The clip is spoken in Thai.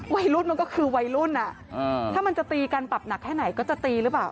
วัยรุ่นมันก็คือวัยรุ่นอ่ะถ้ามันจะตีกันปรับหนักแค่ไหนก็จะตีหรือเปล่า